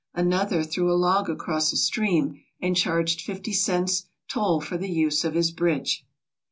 Another threw a log across a stream and charged fifty cents, toll for the use of * his bridge.